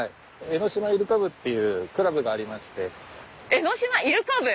江ノ島イルカ部？